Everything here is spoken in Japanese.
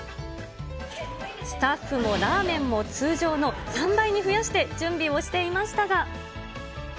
スタッフもラーメンも通常の３倍に増やして準備をしていましたが。